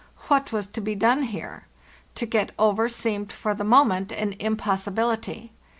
What was to be done here? To get over seemed for the moment an impossibility.